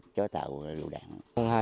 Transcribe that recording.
chối tạo lựu đạn